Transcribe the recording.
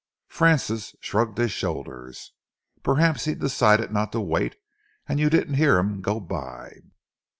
Francis shrugged his shoulders. "Perhaps he decided not to wait and you didn't hear him go by."